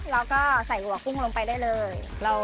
แล้วก็ใส่หัวกุ้งลงไปได้เลย